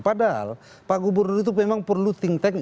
padahal pak gubernur itu memang perlu think tank